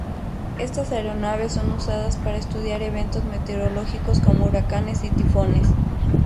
Estas aeronaves son usadas para estudiar eventos meteorológicos como huracanes y tifones.